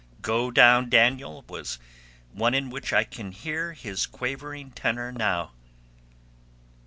'Go Down, Daniel', was one in which I can hear his quavering tenor now.